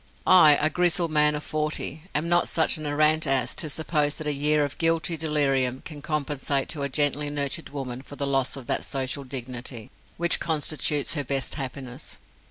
I, a grizzled man of forty, am not such an arrant ass as to suppose that a year of guilty delirium can compensate to a gently nurtured woman for the loss of that social dignity which constitutes her best happiness.